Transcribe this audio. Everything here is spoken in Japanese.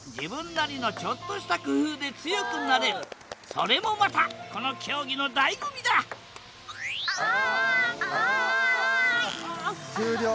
それもまたこの競技のだいご味だ終了！